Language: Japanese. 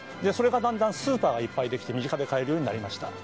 だんだんスーパーがいっぱいできて身近で買えるようになりました